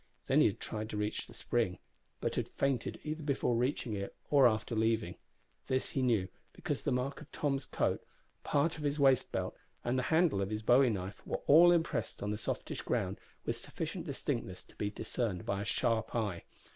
Then he had tried to reach the spring, but had fainted either before reaching it or after leaving. This he knew, because the mark of Tom's coat, part of his waist belt and the handle of his bowie knife were all impressed on the softish ground with sufficient distinctness to be discerned by a sharp eye.